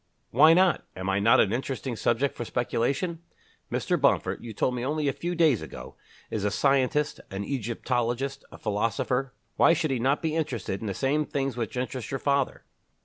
"Why not? Am I not an interesting subject for speculation? Mr. Bomford, you told me only a few days ago, is a scientist, an Egyptologist, a philosopher. Why should he not be interested in the same things which interest your father?"